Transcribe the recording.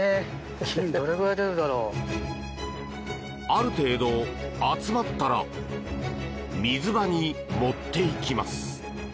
ある程度、集まったら水場に持っていきます。